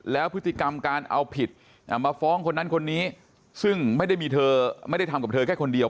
แล้วพฤติกรรมการเอาผิดมาฟ้องคนนั้นคนนี้ซึ่งไม่ได้มีเธอไม่ได้ทำกับเธอแค่คนเดียว